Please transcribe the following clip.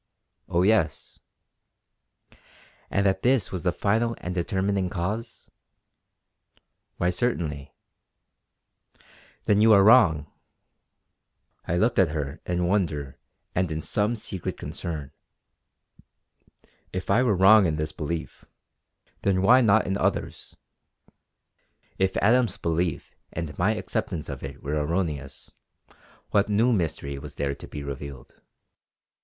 "Oh yes!" "And that this was the final and determining cause?" "Why certainly!" "Then you are wrong!" I looked at her in wonder and in some secret concern. If I were wrong in this belief, then why not in others? If Adams's belief and my acceptance of it were erroneous, what new mystery was there to be revealed?